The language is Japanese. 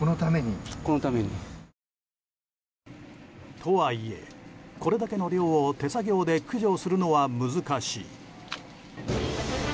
とはいえ、これだけの量を手作業で駆除するのは難しい。